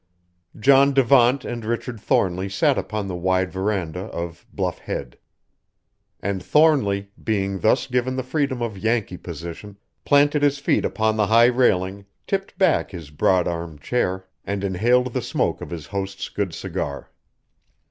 '" John Devant and Richard Thornly sat upon the wide veranda of Bluff Head; and Thornly, being thus given the freedom of Yankee position, planted his feet upon the high railing, tipped back his broad armed chair, and inhaled the smoke of his host's good cigar.